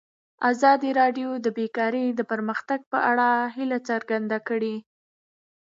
ازادي راډیو د بیکاري د پرمختګ په اړه هیله څرګنده کړې.